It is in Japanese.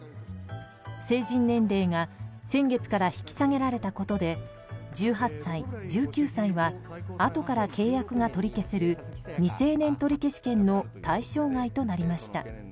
成人年齢が先月から引き下げられたことで１８歳、１９歳はあとから契約が取り消せる未成年取消権の対象外となりました。